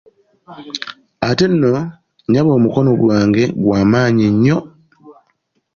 Ate nno, nnyabo omukono gwange gwa maanyi nnyo.